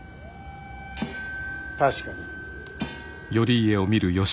確かに。